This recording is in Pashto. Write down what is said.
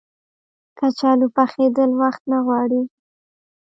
کچالو پخېدل وخت نه غواړي